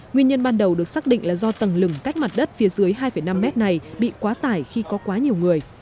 nguyên nhân ban đầu được xác định là do tầng lừng cách mặt đất phía dưới hai năm mét này bị quá tải khi có quá nhiều người